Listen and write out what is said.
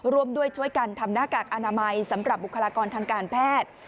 ร่วมด้วยช่วยกันทำหน้ากากอนามัยสำหรับบุคลากรทางการแพทย์